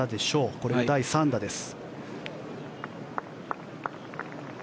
これが第３打です。